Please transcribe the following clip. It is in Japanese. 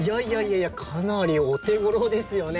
かなりお手ごろですよね。